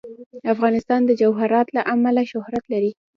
افغانستان د جواهرات له امله شهرت لري.